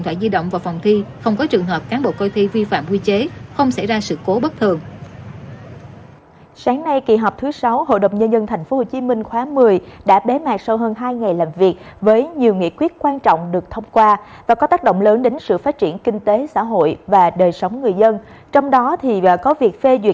hãy đăng ký kênh để ủng hộ kênh của mình nhé